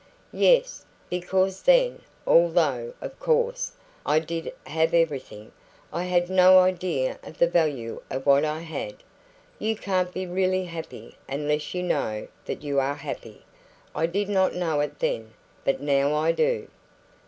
"Yes. Because then, although, of course, I did have everything, I had no idea of the value of what I had. You can't be really happy unless you know that you are happy. I did not know it then, but now I do."